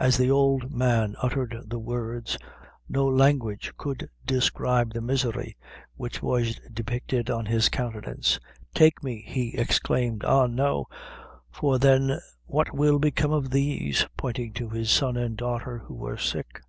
As the old man uttered the words, no language could describe the misery which was depicted on his countenance. "Take me," he exclaimed; "ah, no; for then what will become of these?" pointing to his son and daughter, who were sick.